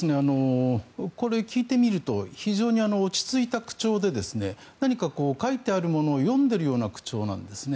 これ、聞いてみると非常に落ち着いた口調で何かこう書いてあるものを読んでるような口調なんですね。